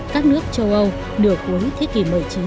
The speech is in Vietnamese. các nước châu âu nửa cuối thế kỷ một mươi chín